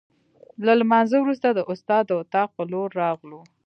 له لمانځه وروسته د استاد د اتاق په لور راغلو.